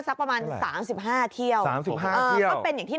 สักประมาณสามสิบห้าเที่ยวสามสิบห้าเที่ยวก็เป็นอย่างที่